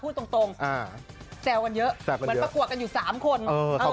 พูดตรงแจวกันเยอะเหมือนนี่จะปรากฎกันอยู่สามคน